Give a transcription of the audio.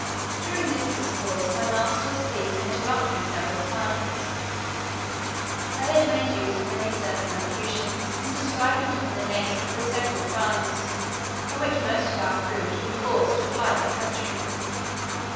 During this discourse, my master was pleased to interrupt me several times. I had made use of many circumlocutions in describing to him the nature of the several crimes for which most of our crew had been forced to fly their country.